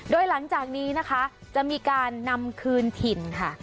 โดยหลังจากนี้นะคะจะมีการนำคืนถิ่นค่ะ